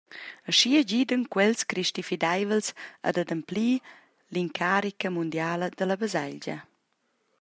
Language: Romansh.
Aschia gidan quels cristifideivels ad ademplir la incarica mundiala dalla baselgia.